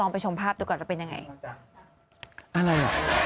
ลองไปชมภาพดูก่อนจะเป็นอย่างไร